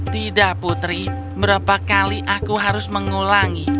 tidak putri berapa kali aku harus mengulangi